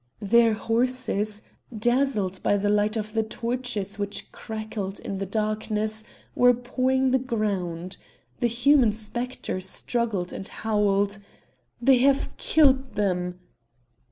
Their horses, dazzled by the light of the torches which crackled in the darkness, were pawing the ground; the human spectre struggled and howled: "They have killed them!"